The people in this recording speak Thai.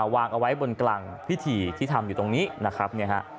วางเอาไว้บนกลางพิธีที่ทำอยู่ตรงนี้นะครับ